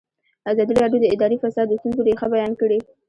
ازادي راډیو د اداري فساد د ستونزو رېښه بیان کړې.